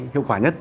hiệu quả nhất